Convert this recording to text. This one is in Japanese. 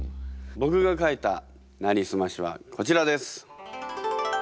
僕が書いた「なりすまし」はこちらです。